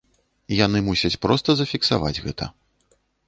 І яны мусяць проста зафіксаваць гэта.